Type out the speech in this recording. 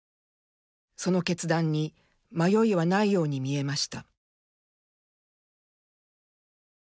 その決断に迷いはないように見えました。